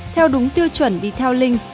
theo đúng tiêu chuẩn đi theo linh